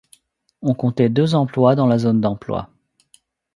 On comptait deux emplois dans la zone d'emploi.